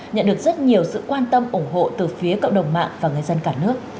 nhận được rất nhiều sự quan tâm ủng hộ từ phía cộng đồng mạng và người dân cả nước